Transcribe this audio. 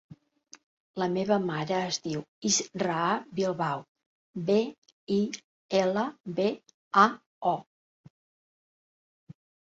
La meva mare es diu Israa Bilbao: be, i, ela, be, a, o.